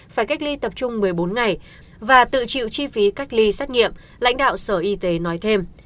phải cách ly tập trung một mươi bốn ngày và tự chịu chi phí cách ly xét nghiệm lãnh đạo sở y tế nói thêm